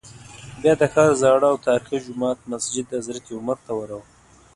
بیا د ښار زاړه او تاریخي جومات مسجد حضرت عمر ته ورغلو.